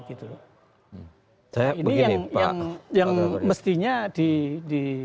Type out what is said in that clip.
ini yang mestinya di